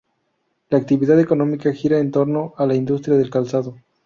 La actividad económica gira en torno a la industria del calzado.